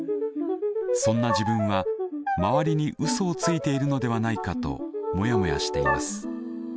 そんな自分は周りにウソをついているのではないかとモヤモヤしています。